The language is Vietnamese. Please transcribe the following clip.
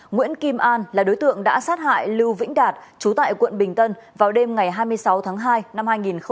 nguyễn kim an là đối tượng đã sát hại lưu vĩnh đạt trú tại quận bình tân vào đêm ngày hai mươi sáu tháng hai năm hai nghìn hai mươi